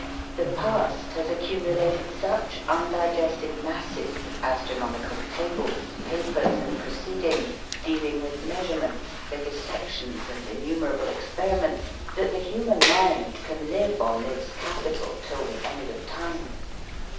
The past has accumulated such undigested masses of astronomical tables, papers and proceedings dealing with measurements, vivisections, and innumerable experiments, that the human mind can live on this capital till the end of time.